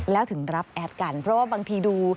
แล้วถึงรับแอดกันเพราะว่าบางทีดู